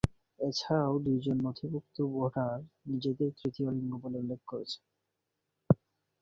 এছাড়াও দুইজন নথিভূক্ত ভোটার নিজেদের তৃতীয় লিঙ্গ বলে উল্লেখ করেছেন।